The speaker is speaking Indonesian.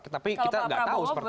tapi kita nggak tahu seperti apa